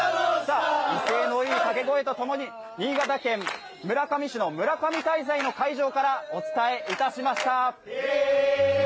威勢のいい掛け声とともに、新潟県村上市の村上大祭の会場からお伝えしました。